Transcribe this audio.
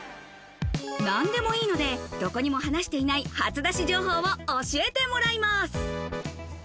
何でもいいので、どこにも話していない初出し情報を教えてもらいます。